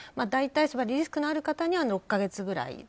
大体、リスクのある方には６か月ぐらい。